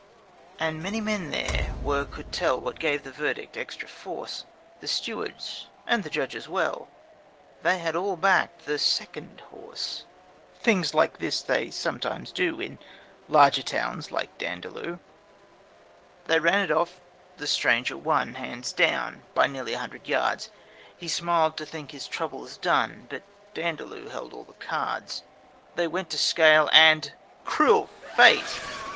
And many men there were could tell What gave the verdict extra force: The stewards, and the judge as well They all had backed the second horse. For things like this they sometimes do In larger towns than Dandaloo. They ran it off; the stranger won, Hands down, by near a hundred yards He smiled to think his troubles done; But Dandaloo held all the cards. They went to scale and cruel fate!